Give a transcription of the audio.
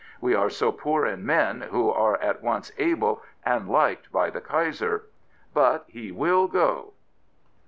We are so poor in men who are at once able and liked by the Kaiser. But he will go.